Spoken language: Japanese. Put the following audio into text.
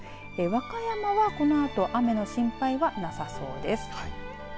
和歌山は、このあと雨の心配はなさそうです。